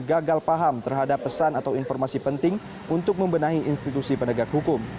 gagal paham terhadap pesan atau informasi penting untuk membenahi institusi penegak hukum